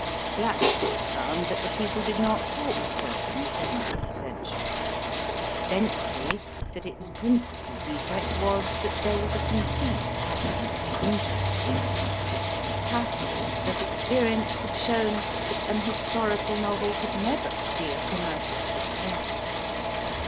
Blackwood found that the people did not talk so in the seventeenth century ; Bentley that its principal defect was that there was a com plete absence of interest ; Cassells that experience had shown that an historical novel could never be a commercial success.